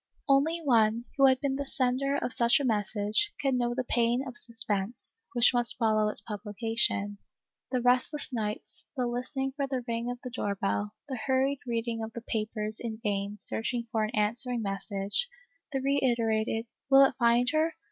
Only one, who has been the sender of such a message, can know the pain of suspense, which must follow its publication. The restless nights, the listening fot the ring of the door bell, the hurried reading of the papers in vain search for an answering message, the reiterated, " will it find her